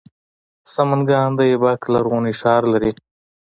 سمنګان د ایبک لرغونی ښار لري